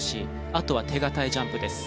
あとは手堅いジャンプです。